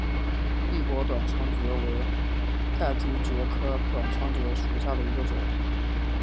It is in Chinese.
异果短肠蕨为蹄盖蕨科短肠蕨属下的一个种。